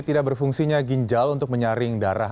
tidak berfungsinya ginjal untuk menyaring darah